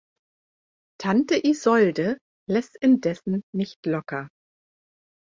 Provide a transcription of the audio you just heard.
Tante Isolde lässt indessen nicht locker.